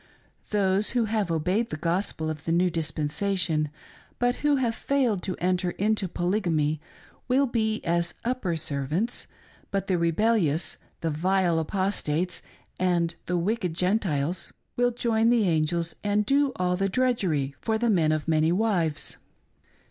Those who have obeyed the Gospel of the new dispen sation, but who have failed to enter into Polygamy will be as upper servants, but the rebellious — the " vile apostates," and the " wicked Gentiles " will join the angels and do all the drudg , ery for the men of many wives.